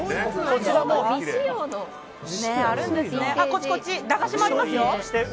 こっち、こっち駄菓子もありますよ。